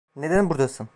Neden buradasın?